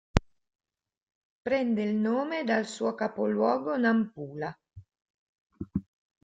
Prende il nome dal suo capoluogo Nampula.